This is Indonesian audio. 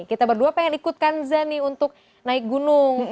kita berdua pengen ikut kanza nih untuk naik gunung